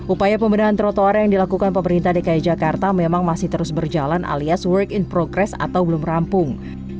upaya pembedahan trotoar yang dilakukan pemerintah dki jakarta memang masih terus berjalan alias work in progress atau belum rampung